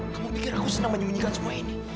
kamu pikir aku senang menyembunyikan semua ini